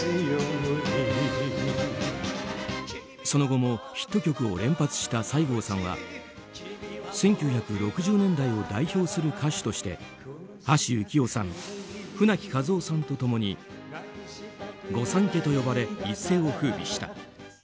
その後もヒット曲を連発した西郷さんは１９６０年代を代表する歌手として橋幸夫さん、舟木一夫さんと共に御三家と呼ばれ一世を風靡した。